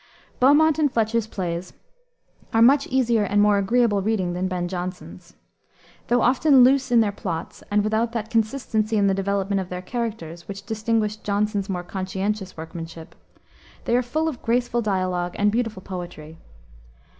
Beaumont and Fletcher's plays are much easier and more agreeable reading than Ben Jonson's. Though often loose in their plots and without that consistency in the development of their characters which distinguished Jonson's more conscientious workmanship, they are full of graceful dialogue and beautiful poetry.